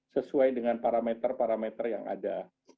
sesuai dengan parameter parameter yang ada